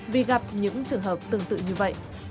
vì gặp những trường hợp tương tự như vậy